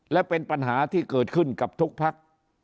และเป็นปัญหาที่เกิดขึ้นกับทุกพัก